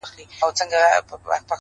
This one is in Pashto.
• زه درته دعا سهار ماښام كوم؛